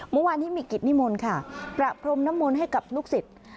เมื่อวานนี้มีกิจนิมนต์ค่ะประพรมน้ำมนต์ให้กับลูกศิษย์